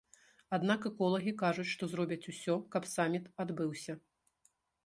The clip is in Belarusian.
Аднак эколагі кажуць, што зробяць усё, каб саміт адбыўся.